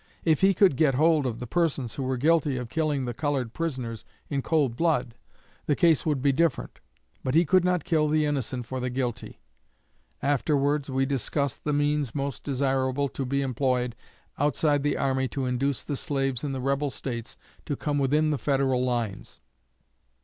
If he could get hold of the persons who were guilty of killing the colored prisoners in cold blood, the case would be different; but he could not kill the innocent for the guilty. Afterwards we discussed the means most desirable to be employed outside the army to induce the slaves in the rebel States to come within the Federal lines.